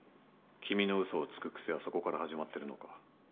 君の嘘をつく癖はそこから始まってるのか。